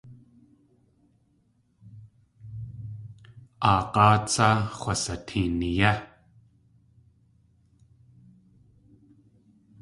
Aag̲áa tsá x̲wsiteeni yé.